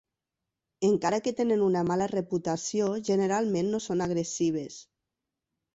Encara que tenen una mala reputació, generalment no són agressives.